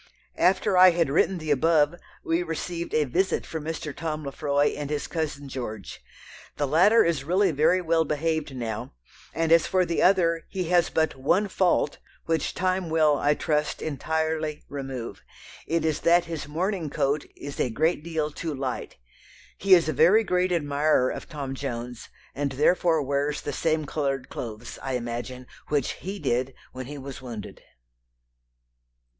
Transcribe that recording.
After I had written the above, we received a visit from Mr. Tom Lefroy and his cousin George. The latter is really very well behaved now; and as for the other, he has but one fault, which time will, I trust, entirely remove it is that his morning coat is a great deal too light. He is a very great admirer of Tom Jones, and therefore wears the same coloured clothes, I imagine, which he did when he was wounded."